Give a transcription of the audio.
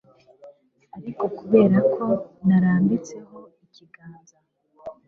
Ariko kubera ko narambitseho ikiganza